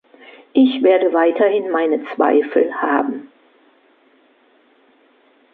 Ich werde weiterhin meine Zweifel haben.